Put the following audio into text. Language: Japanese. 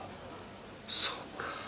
そうか。